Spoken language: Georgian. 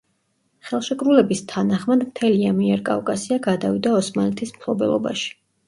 ხელშეკრულების თანახმად მთელი ამიერკავკასია გადავიდა ოსმალეთის მფლობელობაში.